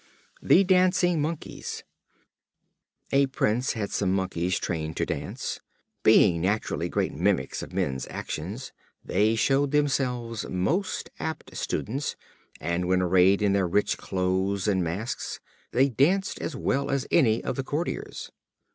The Dancing Monkeys. A Prince had some Monkeys trained to dance. Being naturally great mimics of men's actions, they showed themselves most apt pupils; and when arrayed in their rich clothes and masks, they danced as well as any of the courtiers.